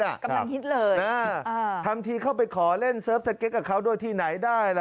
กำลังฮิตเลยอ่าทำทีเข้าไปขอเล่นเซิร์ฟสเก็ตกับเขาด้วยที่ไหนได้ล่ะ